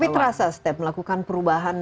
tapi terasa step melakukan perubahan